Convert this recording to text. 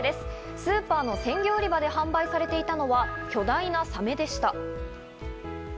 スーパーの鮮魚売り場で販売されていたのは巨大なサメでした。